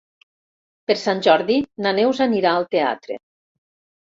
Per Sant Jordi na Neus anirà al teatre.